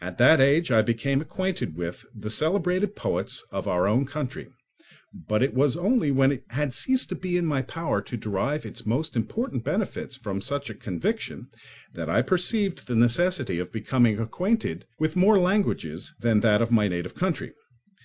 At that age I became acquainted with the celebrated poets of our own country; but it was only when it had ceased to be in my power to derive its most important benefits from such a conviction that I perceived the necessity of becoming acquainted with more languages than that of my native country.